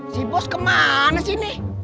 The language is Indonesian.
si bos kemana sini